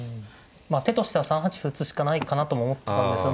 まあ手としては３八歩打つしかないかなとも思ってたんですが